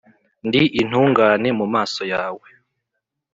ndi intungane mu maso yawe’